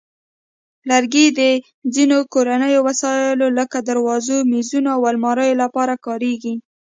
لرګي د ځینو کورني وسایلو لکه درازونو، مېزونو، او المارۍ لپاره کارېږي.